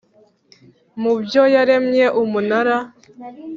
mu byo yaremye Umunara